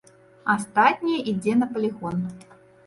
Астатняе ідзе на палігон.